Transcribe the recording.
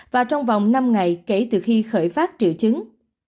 và trong vòng năm ngày kể từ khi khởi phát triệu chứng